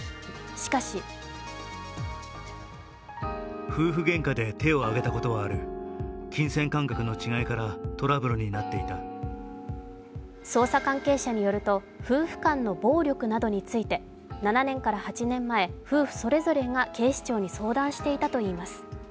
しかし捜査関係者によると夫婦間の暴力などについて７年から８年前、夫婦それぞれが警視庁に相談していたといいます。